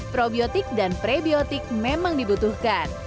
probiotik dan prebiotik memang dibutuhkan